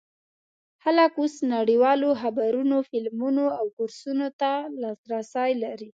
خلک اوس نړیوالو خبرونو، فلمونو او کورسونو ته لاسرسی لري.